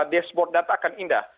deskboard data akan indah